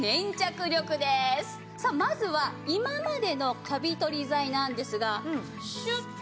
まずは今までのカビ取り剤なんですがシュッ。